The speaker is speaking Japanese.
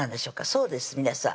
そうです皆さん